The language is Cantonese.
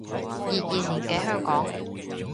二二年嘅香港